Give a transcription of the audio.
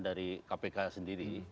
dari kpk sendiri